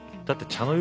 茶の湯？